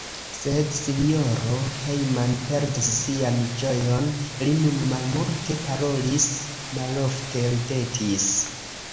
Sed S-ro Jehman perdis sian ĝojon; li nun malmulte parolis, malofte ridetis.